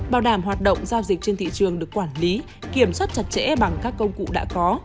bảo đảm hoạt động giao dịch trên thị trường được quản lý kiểm soát chặt chẽ bằng các công cụ đã có